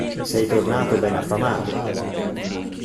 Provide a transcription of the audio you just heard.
Sei tornato ben affamato.